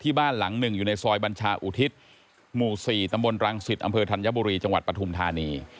บ้านหลังหนึ่งอยู่ในซอยบัญชาอุทิศหมู่๔ตำบลรังสิตอำเภอธัญบุรีจังหวัดปฐุมธานี